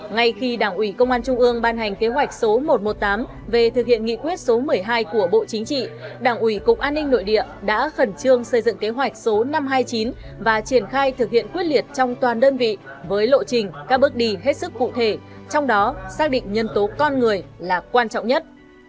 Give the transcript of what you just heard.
ngay khi đảng ủy công an trung ương ban hành kế hoạch số một trăm một mươi tám về thực hiện nghị quyết số một mươi hai của bộ chính trị đảng ủy cục an ninh nội địa đã khẩn trương xây dựng kế hoạch số năm trăm hai mươi chín và triển khai thực hiện quyết liệt trong toàn đơn vị với lộ trình các bước đi hết sức cụ thể trong đó xác định nhân tố con người là quan trọng nhất